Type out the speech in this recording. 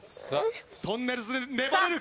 とんねるず粘れるか？